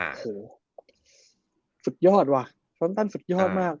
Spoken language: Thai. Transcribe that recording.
มันสุดยอดแหวะสำเร็จมาก